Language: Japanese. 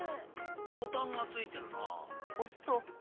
ボタンがついてるな。